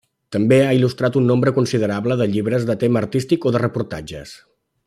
També ha il·lustrat un nombre considerable de llibres de tema artístic o de reportatges.